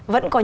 vẫn có những